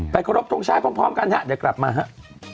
ไปขอรับทุกชายพร้อมกันนะเดี๋ยวกลับมาครับ